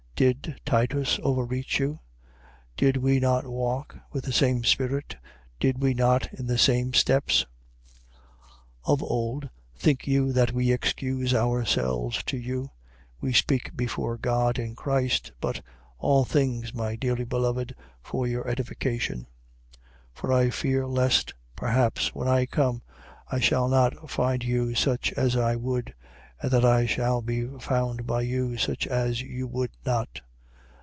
Did Titus overreach you? Did we not walk with the same spirit? Did we not in the same steps? 12:19. Of old, think you that we excuse ourselves to you? We speak before God in Christ: but all things, my dearly beloved, for your edification. 12:20. For I fear lest perhaps, when I come, I shall not find you such as I would, and that I shall be found by you such as you would not.